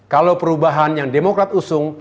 kalau perubahan yang demokrat usung